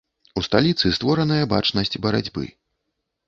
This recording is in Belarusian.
У сталіцы створаная бачнасць барацьбы.